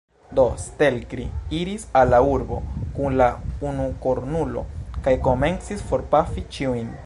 Do, Stelkri iris al la urbo kun la unukornulo, kaj komencis forpafi ĉiujn.